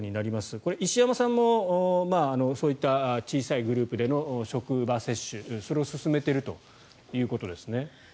これ、石山さんもそういった小さいグループでの職場接種それを進めているということですね。